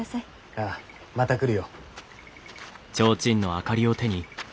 ああまた来るよ。